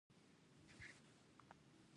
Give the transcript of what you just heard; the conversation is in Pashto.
د کار دوره تر اویا کلونو پورې تمدید کیږي.